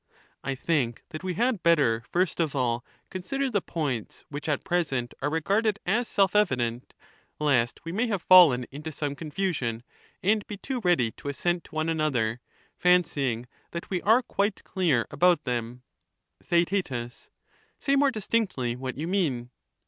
I think that we had better, first of all, consider the We must points which at present are regarded as self evident, lest we ^^\'^^„ may have fallen into some confusion, and be too ready to which are assent to one another, fancying that we are quite clear about ^*^'?'^^ them. but may Theaet. Say more distinctly what you mean.